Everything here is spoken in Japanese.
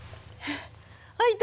開いた！